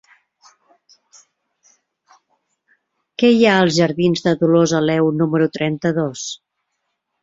Què hi ha als jardins de Dolors Aleu número trenta-dos?